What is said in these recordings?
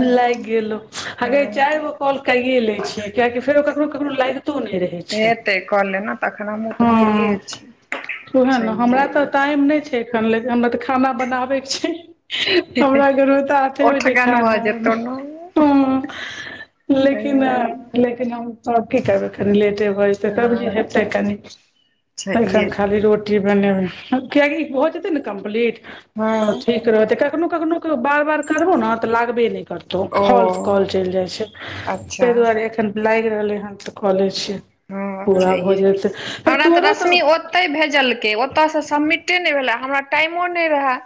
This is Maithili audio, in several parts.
लागि गेल हगेई हँ चार कॉल कऽ ले छी, किएक तऽ फेरो केकरो केकरो लागितो नहि रहै। हेतै कऽ लेना तखन हमहूँ तऽ फ्रीए हँ, छी ओह ने, हमरा छैहे तऽ ई नहि छै। खाना बनाबय के छै हमरा आठे बजे। ओठगन भऽ खाना हऽ, जेतौ न हँ लेकिन लेकिन हम आओर की करबै, कनि लेट भऽ जेतै। तखन जे हेतै, कनि छैहे एखन खाली रोटी बनेबै कियै? भऽ जेतै ने कम्प्लीट, तऽ हँ ठीक। रहतै कखनो कखनो, बार बार करबहुँ ने तऽ लागबे नहि करतै। ओ तऽ फॉल्स कॉल चलि जाइ छै, अच्छा ताहि दुआरे एखन लागि रहल छलहुँ ने, तऽ कऽ लेलहुँ। हँ पूरा छैहे भोजन की छै फेर हमरा तोरो तऽ? रश्मि ओतहि भेजलकै, ओतऽसँ सबमिटे नहि भेलै। हमरा टाइमो नहि रहय।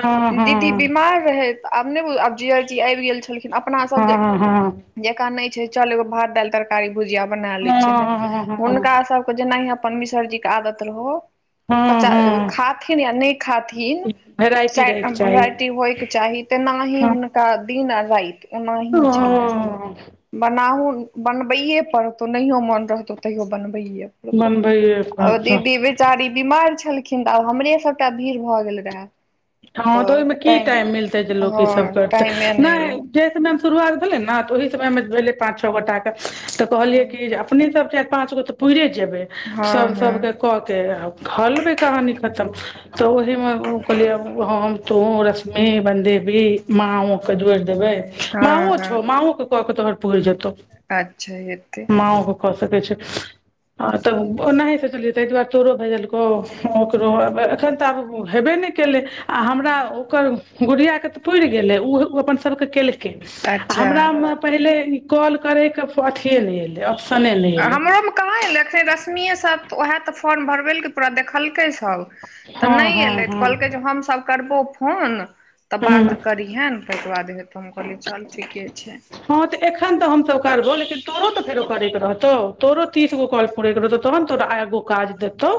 हँ दीदी हँ बीमार रहैत छलीह, आब नहि। आब जीजी आबि गेल छलीह। अपना सभ हँ जे हँ जेकाँ छै ने, चलू, एगो भात, दालि, तरकारी आ भुजिया बना लिअ। हँ हुनका सभकेँ जेना अपन मिश्र जी। आदत रहय। हँ हँ पचा हँ खाथिन या नहि खाथिन भेराइटी रहैके चारि चाही वरायटी होयके चाही त न ह हँ ह दिन आ राति ओनाही छलनि हँ बनाहु बनबैे पड़तौ नहियो मोन रहतौ तैयो बनबैे पड़तौ बनबैए आ पड़तौ दीदी बेचारी बीमार छलखिन तऽ आब हमरे सबटा भीड़ भए गेल रहे हँ तऽ ओहिमे की टाइम मिलतै जे लोक ईसभ हँ करतै टाइमे नहि रहै जेहि समय मे शुरुआत भेले ने तऽ ओहि समय मे भेले पांच छओ गोटा के तऽ कहलियै हँ कि अपने सब चारि पाँच गो तऽ पुरे जेबै हँ सब सबके हँ कऽ आब घलबे भी कहानी खतम तऽ ओहिमे कहलियै हम तू रश्मि बनदेबी माँ ओके जोड़ि देबै हँ माँओ हँ छो माँ ओ कको तोहर पूरि जेतो अच्छा हैते माँ ओ कऽ सकैत ओना सोचलिए तय दुआरो तोरो भेजलकौ ओ ओकरो एखन तऽ आब हेबे नहि केलै आ हमरा ओकर गुड़ियाकके तऽ पुरि गेलै ओ अपन सभके केलकै आ अच्छा हमरामे पहिले ई कॉल करैके अथिएनहि अएलै हमरोमे कहाँएखै रश्मिए स तऽ ओएह तऽ फॉर्म भरबैेलकै पूरा देखलकै सब तऽ हँ नहि हँ एलै तऽ हँ कहलकै जे हमसभ करबो फोन तऽ हूँ बात करिहेन तहिके बाद हइ तऽ हम कहलिए चल ठीके छै हँ तऽ एखन तऽ हमसभ करबौ लेकिन तोरो तऽ फेरो करेके रहतौ तोरो तीसगो कॉल पुरे के रहतौ तऽ तोरा एगो काज देतौ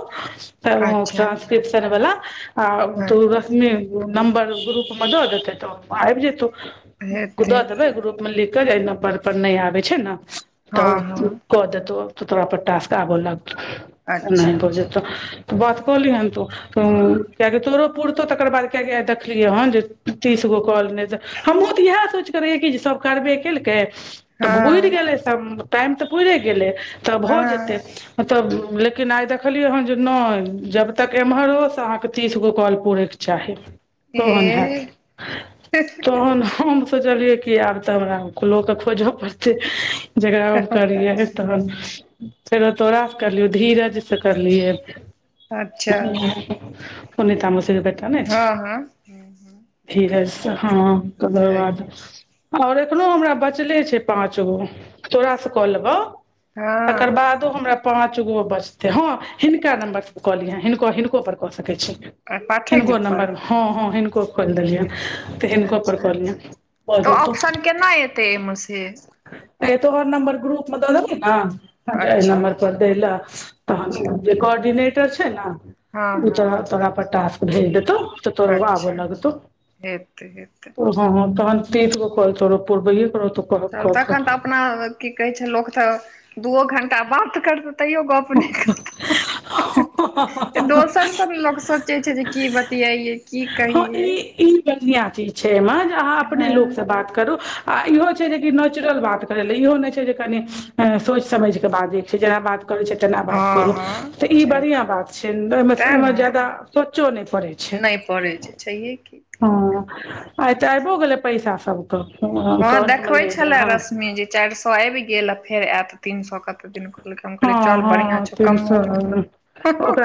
तऽ अच्छा टारंसक्रिप्शन बला आ दू नम्बर ग्रुप में द देते त आबि जेतौ हेतै द देबे ग्रुप लिख कऽ एना पर पर नहि आबै छै ने तऽ हँ ओ हँ क देतो त तोरा पर टास्क आब लग तऽ अच्छा नहि जेत तऽ बात कहलीहेन तू किएकि तोरो पुरतौ तकर बाद किएकि आ देखलियै हन जे तीस गो कल नहि तऽ हमहूँ तऽ इएह सोच कर रहेै कि जे सभ करबे केलकै तऽ पुर हँ गेलै सब टाइम तऽ पुरे गेलै तऽ भऽ हँ जेतै हँ तब लेकिन आइ देखलियै हँ जे नहि जब तक एम्हर ओ से अहाँके तीसगो कॉल पूरैके चाही तहन हैत ए तहन हम सोचलियै कि आब तबरा लोक के खोजऽ पड़तै जकरा ओ करियै तहन फेर तोड़ास से करलियौ धीरज से करलियऐ अच्छा पुनीता मौसी बेटा ने हँ हँ धीरज हँ तकर बाद सही और एखनो हमरा बचले छै पाॅंच गो तोराास से कऽ लेबौ हँ तकर बाद त हमरा पाँच गो बचते हँ हिनका नंबर पर कऽ लिय हिनको हिनको पर कऽ सकैत छी आ पाठक जी हिनको पर नम्बर हँ हँ हिनको खोलि अच्छा देलियनि तऽ हिनकोपर कहलियनि तऽ ऑप्शन केना एतै एहिमे से ए तोहर नम्बर ग्रुप मे द देबौ ने एहि अच्छा नम्बर पर दै लए अच्छा तहन जे कोर्डिनेटर छै ने हँ ओ हँ तऽ तोरा पता सँ भेज देतौ तोर आब अच्छा लगतौ हेतै हेतै ओ हँ तहन तिस गो कॉल तोरो पुरबए पर तो तखन तऽ अपना की कहै छै लोक तऽ दूओ घंटा बात करतै तैयो गप्प नहि करतौ हह दोसर सब ने लोक सोचै छै जे की बतियइये की हँ कही ई ई बढ़िआँ चीज छै एहिमे जे अहाँ अपने हँ लोकसँ बात करू आ इहो छै जे कि नेचुरल बात करय लए इहो नहि छै जे कनि सोचि समझके बात जे छै जेना बात करे छै तेना बात हँ करू हँ तऽ ई छै बढ़िया बात छै ओमे तें ओमे ने जादा सोचो नहि पड़ै छै नहि पड़ै छै छैहे की हँ आइ तऽ आबो गेलै पैसा सबके हँ अकाउंट मे देखबै नहि एलै छले हऽ रश्मि जे चारि सए आबि गेल फेर आयत तीन सौ कते क दिन कहलकै हम कहलै चल हँ बढ़िआँ छै कमो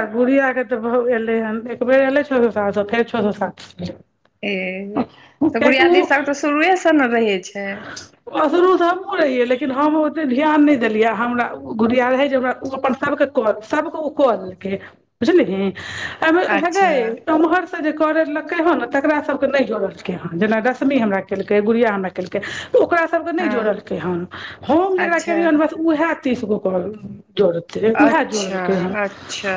बुढ़िया के तऽ बहु एलै हन एकबेर एलै छओ सए सात सए फेर छओ सए सात से एल ए तऽ गुरियादी सब तऽ शुरुएसँ ने रहै छै असरु सब [unintelligible] लेकिन हम ओते ध्यान नहि देलिया हमरा गुड़िया रहै जे हमरा उ अपन सभके सभके उ करऽ देलकै बुझलिहि अच्छा एमहर जे करे लकै हे ने तकरा सभ के नै जोरलकै हँ जेना रश्मी हमरा केलकै गुड़िया हमरा केलकै तऽ ओकरा सभके नइ हँ जोड़लकै हन हम जेकरा अच्छा केलिय हन बस उएह तीस गो कह जोड़ते उएह अच्छा जोड़लकै हन अच्छा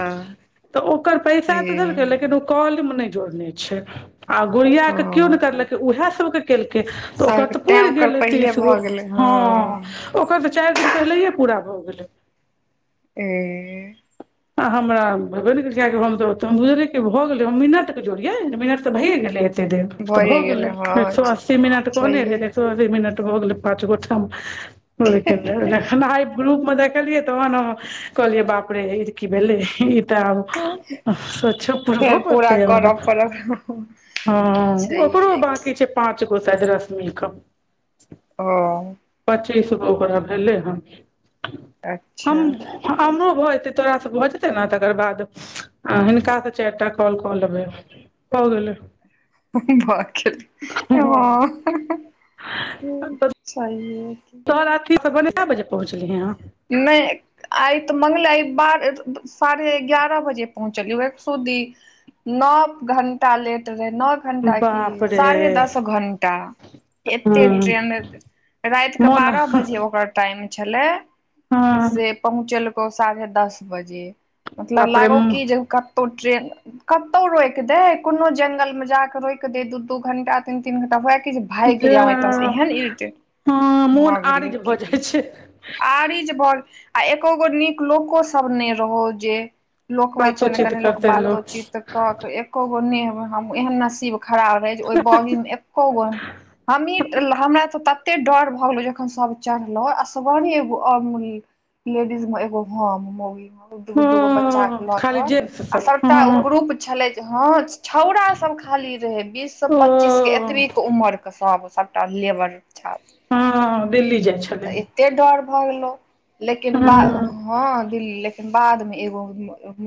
तऽ ओकर ई पैसा तऽ देलकै लेकिन उ काॅल मे नै जोड़ने छै आ गुड़िया ओ के केओ नइ करलकै उएह सभके केलकै तऽ ओकर सभ तऽ तैँ पुड़ि ओकर गेलै पहिले तीस गो भऽ गेलै हँ। ओकरा तऽ चारि दिन पहिलये पूरा भऽ गेलै। ए आ हमरा बे नहि करे भऽ गेले मिनट के जोड़िये मिनट तऽ भयए ने गेलै ए ए देर तऽ भ भए गेलै हँ एक सए अस्सी मिनट कहने रहे छैहे एक सए अस्सी मिनट पच ओइ [unintelligible] ग्रप मे देखलियै तहन हम कहलियै बाप रे ई की भेलेई तऽ आब स्वच्छ पूर्वो फेर पड़त पूरा हमरा करऽ पड़त [unintelligible] हँ ओकरो छैहे की बकी छै पाँच गो सायद रसमि कऽ अ पच्चीस गो ओकरा भेलै हन हम अच्छा हमरो भऽ जेतै तोरा से भऽ जेतै ने तेकर बाद हिनका से चार टा कॉल कऽ लेबै भऽ गेलै ब हँ व [unintelligible] छैहे कि त राति सुबह कए बजे पहुँचले हाँ नहि आइ तऽ मंगल आइ बारह साढ़े एगारह बजे पहुँचलियौ एक सूदी। नौ घंटा लेट रहे नौ घण्टा कि बाप रे साढ़े दस घंटा एतेक हँ ट्रेन राति कऽ मोन बारह बजे ओकर टाइम छलै हँ से पहुँचेलकौ साढ़े दस बजे मतलब बाप रे लागो कि जे कत ओ ट्रेन। कतौ रोकि देय कोनो जंगलमे जा कऽ रोकि दै दू दू घंटा तीन तीन घंटा हुए कि ज भागि जे जाउ एतसँ एहन इरिटेट हँ मोन भऽ गेलियौ आरिज की भऽ जाइ कहियौ छै आर इजे बर आ एको गो नीक लोको सभ नइ एलौ जे लोक होइ बात छै ने सोचित कनी लोक करते बातो चीत के एक्को गो ने हम एहन नसीब खराब अइजे ओइ बाॅगीमे एक्को गो हमही हमरा तऽ तते डर भऽ गेलो जखन सभ चढ़लो असगरे ए अमूल्य लेडीज मे एगो ह मूवी मे दूगो दू गो बच्चा हँ के लऽ खाली कऽ जेंट्स आ सब सभटा ओ हँ ग्रुप छलै हँ छौंड़ा सब खाली रहे बीस स पच्चीस के ए ओ कतबी के उमर के सभ सभटा लेबर छात्र हँ दिल्ली जाइ छै। तऽ एते डर भऽ गेलौ लेकिन ब हँ ह दिल्ली लेकिन बादमे एगो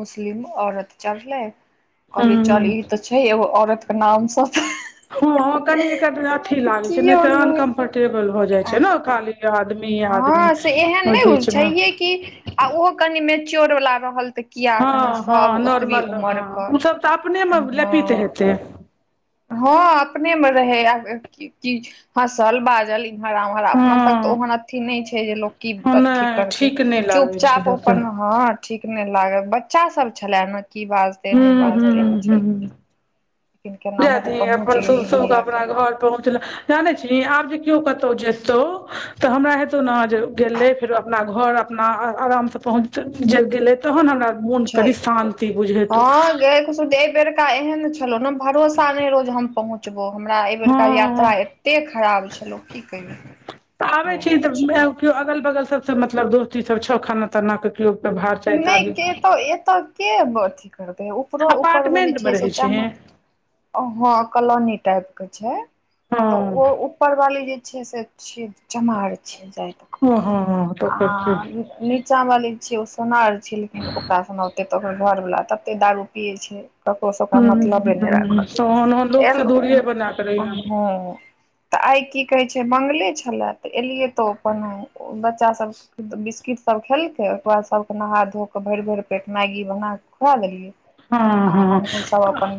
मुस्लिम औरत चढ़लै कहलियै चल हँ ई तऽ छै एगो औरत के नामसँ हैय हँ कनी एकर अथी लागै छै नै कियो तऽ नहि। अनकम्फर्टेबल भऽ जाय छै ने खाली आदमी आदमी हँ से एहन ओ नहि होइ बीचमे छैहे कि आ ओहो कनि मेच्योर वाला रहल हँ किआकि नै हँ सभ ओतबी नॉर्मल उमर हँ कऽ ओ सब तऽ अपने मे ह लेपित हेतै ह अपने मे रहै कि हँसल बाजल हरा भरा मतलब तऽ हँ ओहन अथि नै छै जे लोको की अथी नहि करतै ठीक नहि लागै छै चुपचाप देखै अपनप हँ ठीक नै लागल बच्चा सब छले न की बाज हुं हुं हुं लेकिन जाय केनाहु कऽ दिहि पहुँच अपन सुभ गेलियै सुभ मैया अपना के घर पहुँचलैं जाने छिहि आब जे किओ कतो जेतौ तऽ हमरा हेतौ न जे गेलै फेरो अपना घर अपना आरामसँ पहुँच जे गेलै तहन हमरा मोन कनी शान्ति बुझे ह गैय ए बेरका एहन छलो ने भरोसा ने रोहो हम पहुँच पचबौ हमरा एहि बेरका यात्रा हँ एते खराब छलौ की कहियौ तऽ आबे छी ओहै त छै किओ अगल बगल सब मतलब दोस्ती सब छौ खाना ताना कऽ लोक क भाव नहि चैताबि के तो एतऽ के अथी करतै ऊपरो ऊपर जे अपार्टमेंट मे छै से रहै चम छिहि हँ कलनी टाइप के छै हँ तऽ ओ उपरवाली जे छै से छी चमार छै जा। ह ह ह आ नीचा वाली छियै ओ सोनार छी लेकिन ओकरा सोना ओते तकर घर वाला तते दारू पियै छै ककरो सबकरा हूँ मतलबे नै तहन ओहन लोक से दूरिये बना कऽ रहिहे राखत तऽ आइ की कहै छै मंगले छलए तऽ एलियै तऽ अपन बच्चासभ बिस्किटसभ खेलकै ओकर बाद सभके नहा धो कऽ भरि भरि पेट मैगी बना कऽ खुआ देलियै हँ आ हँ हमहुँ सब अपन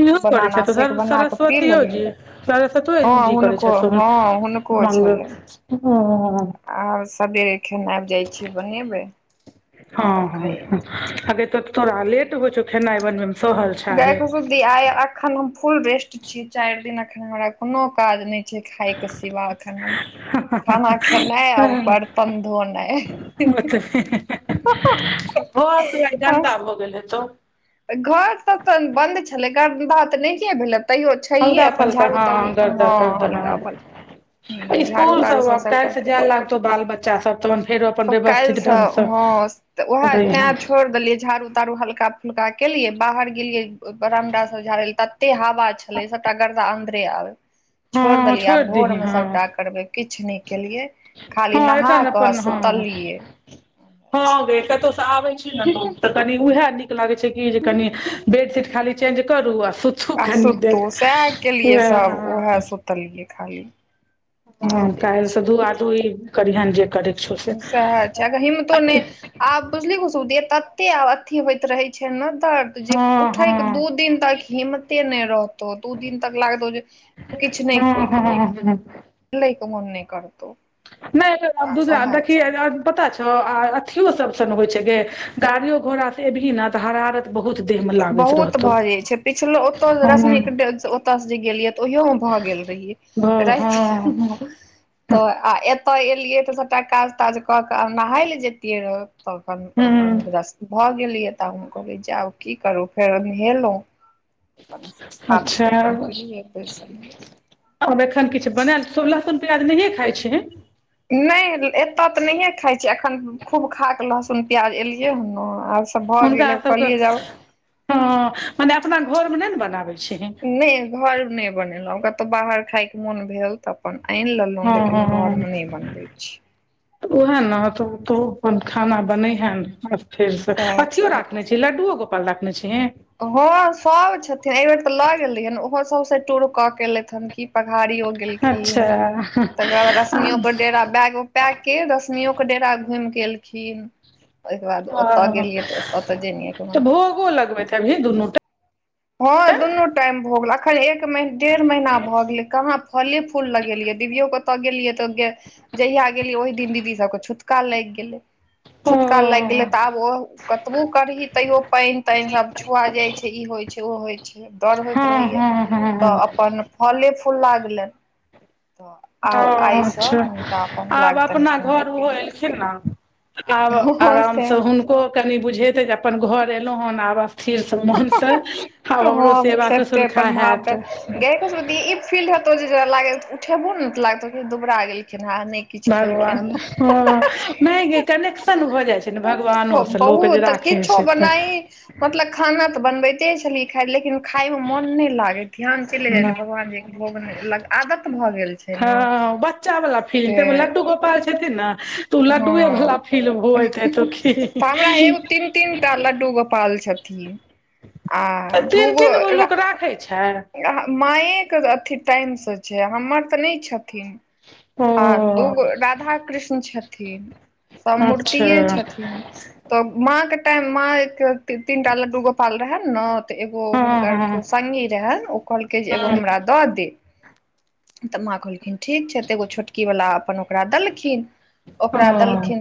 इहो करै बनाना शेक छथुन बना कऽ पी सरस्वतो लेलियै जी सरस्वतो हँ जी करै हुनको छथुन हँ हुनको मंगल ओ आर सबेरे खेनाइ जाइ छियै बनेबै हँ सखै हँ हगे तऽ तोरा लेट होइ छौ खेनाइ बनबै मे सहल छा गाय खुशबू दिदि आय एखन हम फुल रेस्ट छियो चारि दिन अखन हमरा कोनो काज ने खाई क सिवा अखन खाना खेनाइ आओर गे बर्तन धोनाइ घर दुआइर गंदा भ गेल हेतो घर सब तऽ बन्द छलै गन्दा तऽ नैहिए भेलै तैयो छैये हल्का अपन फल्का झाड़ू तऽ हँ हँ हलका फलका इसकुल सब कैल से जाय लागतौ बाल बच्चा सब तऽ फेरो अपन ओ व्यवस्थित काल्हिसँ ढंग सँ हँ तऽ उएह तेंय छोड़ि देलियै झाड़ू तारू हल्का का केलिये बाहर गेलिये बारांडा सब झाड़े ले तत्ते हवा छले सबटा गर्दा अंदरे आबै [inaudible] छोड़ देलियै आब छोड़ि दही भोरमे हँ सभटा करबै किछ नै केलियै खाली हँ नहा एखन कऽ अपन हँ सुतललियै हँ गे कत्तो से आबे छी ने लोग तऽ कनी उएहा नीक लागे छै कि जे कनी बेडशीट खाली चेंज करू आ सु आ सुतू सएह केलियै सभ हँ उएह सुतलियै खाली आब ह जे काल स छै दू आदू ई करिहेन जे करय सएह छै अगर हिमतो नहि आब बुझलि खुशबु दीदी तते आब अथी होइत रहै छै छै ने दर्द जे हँ उठैके हँ दू दिन तक हिम्मते नहि रहतौ, दू दिन तक लागतौ जे किछु नहि। हँ हँ हँ लऽ कऽ मन नहि करतौ। नहि, दोसरा ओएह देखी, छै पता छै। अथियो सभसँ नहि होइत छै गे, गाड़ियो घोड़ासँ एबे ने तऽ हरारत। बहुत देह मे लागैत बहुत रहतौ भऽ जाइत छै, पिछलो ओतऽ हँ रश्मिके डे दस जे गेलियै तऽ ओहियोमे भऽ गेल रहियै हँ राति। हँ तऽ आ एतऽ एलियै तऽ सभटा काज ताज कऽ कऽ आ नहाय लेल जतियै रहऽ। तखन हूँ भऽ गेलियै तऽ हम कहलहुँ, जाउ। की करू फेर, नहेलहुँ, अपन खाना अच्छा खा-पिआ कऽ बैसलहुँ। आब एखन किछु बनायलहुँ? लहसुन प्याज नहि खाइत छी। नहि, एतऽ तऽ नहिए खाइत छी। एखन खूब खा कऽ लहसुन प्याज एलियै ह ने आ। सभ भऽ हुनका गेलै सबके कहलियै जाब। हँ मने अपना घर मे नहि ने बनाबै छै? नहि, घर नहि बनेलहुँ। कतहु बाहर खायके मोन भेल तऽ अपन आनि लेलहुँ, हँ लेकिन घरमे नहि बनेबे छी। तऽ उएहे ने, तू अपन खाना बनबऽ हँ? फेर से सएह अथियो छै राखने छऽ? लड्डू गोपाल राखने छीहि? हँ, सभ छथिन। एहि बेर तऽ लऽ गेल रही ने, ओहो सभ टूर कऽ कऽ एलथि हन कि। पहाड़ियो गेलखिन, अच्छा तकर बाद आ रश्मिकेँ डेरा डेरा बैग पऽ कऽ रश्मिकेँ डेरा घुमि कऽ एलखिन। ओकर बाद ओतऽ ओ गेलियै तऽ ओतऽ तऽ जानियै कनि गेल। भी दुूनूटा हँ, दुनू टाइम भऽ गेल। एखन एक डेढ़ महीना भऽ गेलै। कहाँ फल फूल लगेलियै? दिवियो कतऽ गेलियै तऽ गे? जहिया गेलियै, ओहि दिन दीदीसभके छुट्टी लागि गेलै। टा ओ छुट्टी लागि गेलै तऽ आब ओ कतबो करय, तैयो पानि तनि सभ छुआ जाय छै, ई होइ छै। ओ होइत छै, डर होइत हँ रहैत छै हँ हँ तऽ अपन फल फूल लागलनि। तऽ ओ आब आइसँ अच्छा हुनका अपन आब लागतनि अपना खेनाइ घर। पिनाइ आब हँ आरामसँ सैह हुनको कनि बुझ। अपन घर एलहुँ हन आवस। स्थिर मनसँ आब हमरो हम सेवासँ खेते सुरक्षा अपन भात होत। गे कसुती ई फील्ड होतौ, जरा लागल तऽ उठबो ने तऽ लागतौ कि दुबारा गेलखिन। हँ, नहि? किछु खेलखिन भगवान हँ नहि गे, कनेक्शन भऽ जाइत छै ने भगवानो सँ, लोक बहुत जे तऽ राखै ख किछो छैऽ बनाइ मतलब, खाना तऽ बनबैत छलिए, खाइत छी, लेकिन खायमे मोन नहि लागै। ध्यान चलि जाइत छै नहि भगवान जीकेँ भोग लगाबयमे, आदत भऽ गेल छै ने। हँ बच्चा वाला से फीलमे लड्डू गोपाल छथिन ने। तू लड्डू हँ फील होएत कि तीनटा लड्डू गोपाल छथिन। आ तीन दुगो तीन गो लोक राखै छै मायके एतेक टाइमसँ छै हमर तऽ नहि छथिन। ओ आ दूगो राधा कृष्ण छथिन। न सभ अच्छा मूर्तिे छथिन तऽ माँकेँ तऽ तीनटा लड्डू गोपाल रहनि ने? तऽ एगो हँ हुनकर हँ कोनो सङ्गी रहनि, ओ कहलकै जे एगो हँ हमरा दऽ दे। तऽ माँ कहलखिन, ठीक छै, तऽ एगो छोटकीवाला अपन ओकरा देलखिन। ओ